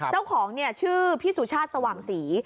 เจ้าของชื่อพี่สุชาติสว่างศรี